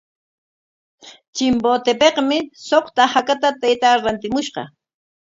Chimbotepikmi suqta hakata taytaa rantimushqa.